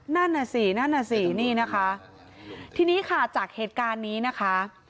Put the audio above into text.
นั่นน่ะสินั่นน่ะสินี่นะคะทีนี้ค่ะจากเหตุการณ์นี้นะคะ